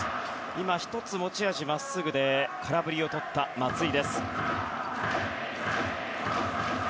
今、１つ持ち味のまっすぐで空振りをとった松井。